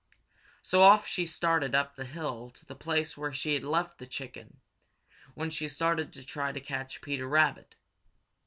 So off she started up the hill to the place where she had left the chicken when she started to try to catch Peter Rabbit.